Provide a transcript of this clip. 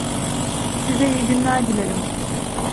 Size iyi günler dilerim.